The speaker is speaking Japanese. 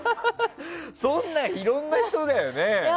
そんなの、いろんな人だよね。